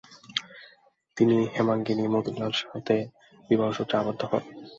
তিনি হেমঙ্গিনী মতিলালের সাথে বিবাহসূত্রে আবদ্ধ হন।